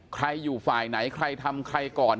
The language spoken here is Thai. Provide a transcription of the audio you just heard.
ใครอยู่ฝ่ายไหนใครทำใครก่อน